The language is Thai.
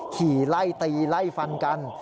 ขี่ไล่ตีไล่ฟันกัน